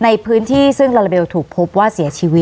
อีกส